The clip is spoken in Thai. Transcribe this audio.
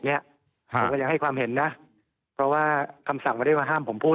ผมก็ยังให้ความเห็นนะเพราะว่าคำสั่งไม่ได้มาห้ามผมพูด